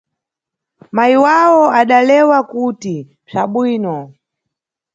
Mayi wawo adalewa kuti mpsabwino.